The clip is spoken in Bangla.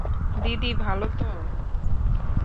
দিদি, ভালো তো?